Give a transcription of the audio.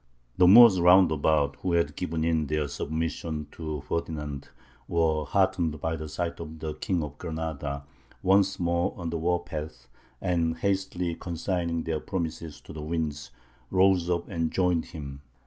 The Moors round about, who had given in their submission to Ferdinand, were heartened by the sight of the King of Granada once more on the war path, and, hastily consigning their promises to the winds, rose up and joined him.